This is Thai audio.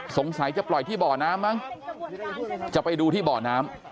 สงสัยจะปล่อยที่บ่อน้ำมั้งจะไปดูที่บ่อน้ำ